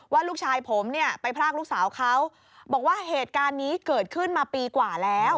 ลูกชายผมเนี่ยไปพรากลูกสาวเขาบอกว่าเหตุการณ์นี้เกิดขึ้นมาปีกว่าแล้ว